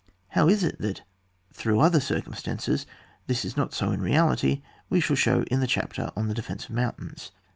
How it is that, through other circumstances, this is not so in reality, we shall show in the chapter on the defence of mountains.